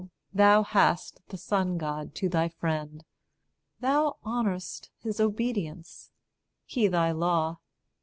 thou hast the Son God to thy friend. Thou honour'st his obedience, he thy law.